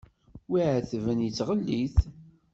Wi iɛetben yettɣellit.